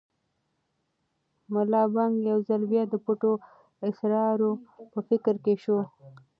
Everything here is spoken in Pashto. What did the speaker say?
ملا بانګ یو ځل بیا د پټو اسرارو په فکر کې شو.